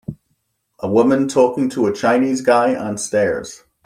A woman talking to a chinese guy on stairs.